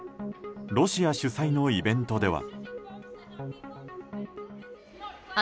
ロシア主催のイベントでは。